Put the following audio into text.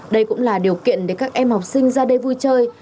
đây cũng là điều kiện để các em học sinh ra đây vui chơi